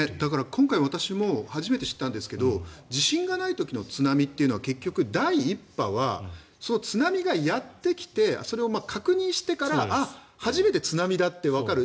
今回、私も初めて知ったんですが地震がない時の津波は結局、第１波は津波がやってきてそれを確認してから初めて津波だとわかる。